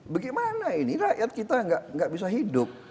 bagaimana ini rakyat kita nggak bisa hidup